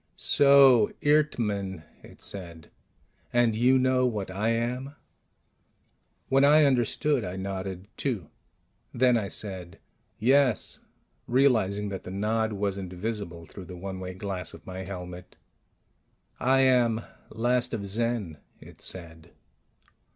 "So. Eert mn," it said. "And you know what I am?" When I understood, I nodded, too. Then I said, "Yes," realizing that the nod wasn't visible through the one way glass of my helmet. "I am last of Zen," it said.